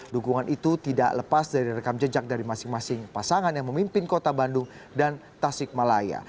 dukungan itu tidak lepas dari rekam jejak dari masing masing pasangan yang memimpin kota bandung dan tasik malaya